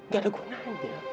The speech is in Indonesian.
gak ada gunanya